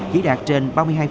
chỉ đạt trên ba mươi hai